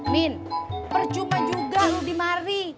min percuma juga loh dimari